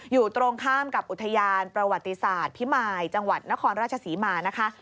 อยู่ตรงข้ามกับอุทยานประวัติศาสตร์พิมายจังหวัดนครราชศรีมานะคะ